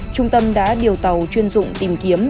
trung tâm đã điều tàu chuyên dụng tìm kiếm